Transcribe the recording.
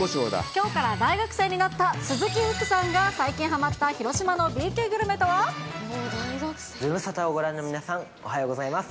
きょうから大学生になった鈴木福さんが、最近はまった広島のズムサタをご覧の皆さん、おはようございます。